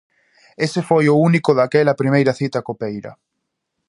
Ese foi o único daquela primeira cita copeira.